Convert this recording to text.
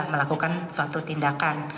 melakukan suatu tindakan